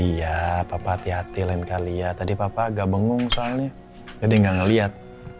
iya papa hati hati lain kali ya tadi papa agak bingung soalnya jadi nggak ngeliat